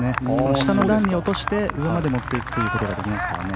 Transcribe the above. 下の段に落として上まで持っていくということができますから。